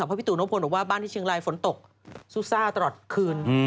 เพราะพี่ตู่นพลบอกว่าบ้านที่เชียงรายฝนตกซูซ่าตลอดคืน